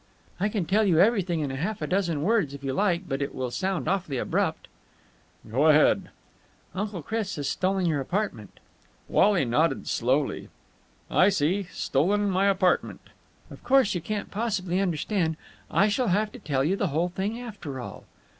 "I can tell you everything in half a dozen words, if you like. But it will sound awfully abrupt." "Go ahead." "Uncle Chris has stolen your apartment." Wally nodded slowly. "I see. Stolen my apartment." "Of course you can't possibly understand. I shall have to tell you the whole thing, after all."